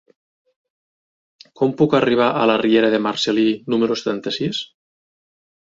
Com puc arribar a la riera de Marcel·lí número setanta-sis?